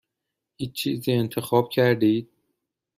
هیچ چیزی انتخاب کردید؟